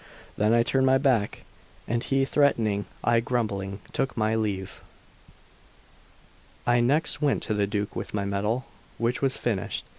Then I turned my back, and, he threatening, I grumbling, took my leave. I next went to the Duke with my medal, which was finished.